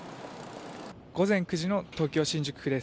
午前９時の東京・新宿区です。